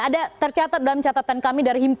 ada tercatat dalam catatan kami